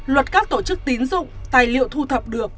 luật các tổ chức tín dụng tài liệu thu thập được